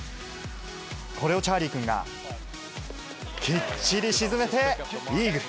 これをチャーリー君が、きっちり沈めて、イーグル。